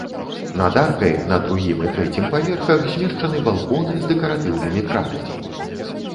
Над аркай на другім і трэцім паверхах змешчаны балконы з дэкаратыўнымі кратамі.